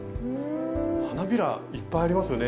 花びらいっぱいありますよね